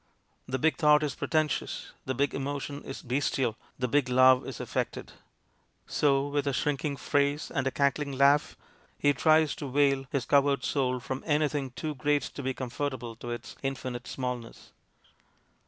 The big thought is pretentious, the big emo tion is bestial, the big love is affected ; so, with a shrinking phrase and a cackling laugh, he tries to veil his coward soul from anything too great to be comfortable to its infinite smallness.